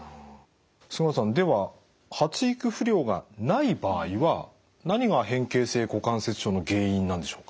菅野さんでは発育不良がない場合は何が変形性股関節症の原因なんでしょうか？